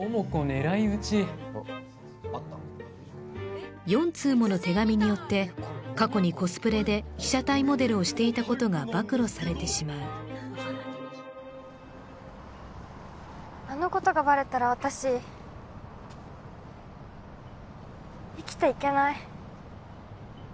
狙い撃ちあっあった４通もの手紙によって過去にコスプレで被写体モデルをしていたことが暴露されてしまうあのことがバレたら私生きていけない